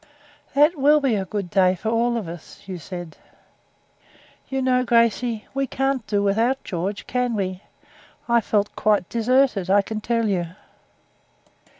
'That will be a good day for all of us,' she said. 'You know, Gracey, we can't do without George, can we? I felt quite deserted, I can tell you.'